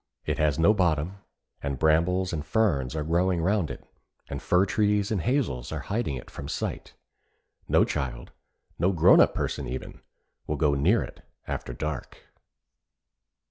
It has no bottom; and brambles and ferns are growing round it, and fir trees and hazels are hiding it from sight. No child, no grown up person even, will go near it after dark.